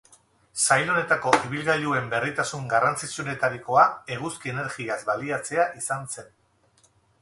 Sail honetako ibilgailuen berritasun garrantzitsuenetarikoa eguzki energiaz baliatzea izan zen.